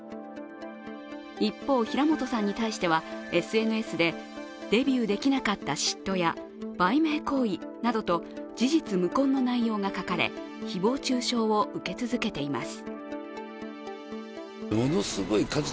一方、平本さんに対してはＳＮＳでデビューできなかった嫉妬や売名行為などと、事実無根の内容が書かれ誹謗中傷を受け続けています。